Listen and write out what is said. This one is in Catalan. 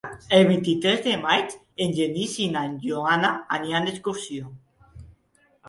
El vint-i-tres de maig en Genís i na Joana aniran d'excursió.